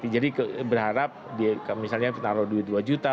jadi berharap misalnya kita taruh duit dua juta